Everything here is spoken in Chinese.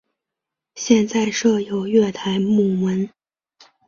现在设有月台幕门。